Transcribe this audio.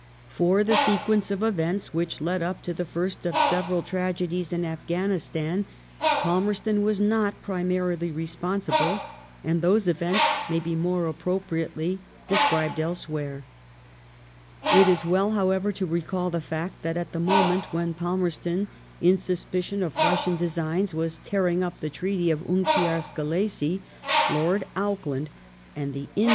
For the sequence of events which led up to the first of several tragedies in Afghanistan Palmerston was not primarily re sponsible, and those events may be more appropriately described elsewhere.^ It is well, however, to recall the fact that at the mo ment when Palmei*ston, in suspicion of Russian designs, was tearing up the Treaty of Unkiar Skelessi, Lord Auckland and the Indian 1 To Bulwer, September 20U1, 1840, '^See Chapter xiv.